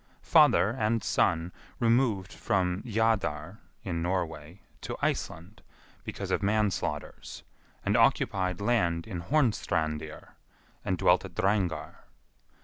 Father and son removed from Jadar (in Norway) to Iceland, because of manslaughters, and occupied land in Hornstrandir, and dwelt at Drangar.